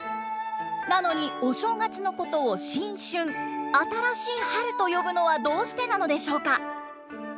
なのにお正月のことを「新春」新しい春と呼ぶのはどうしてなのでしょうか？